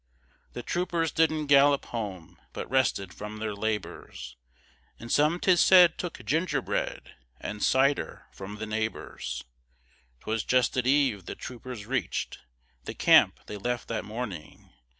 The troopers didn't gallop home, But rested from their labors; And some 'tis said took gingerbread And cider from the neighbors. 'Twas just at eve the troopers reach'd The camp they left that morning.